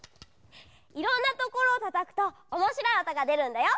いろんなところをたたくとおもしろいおとがでるんだよ。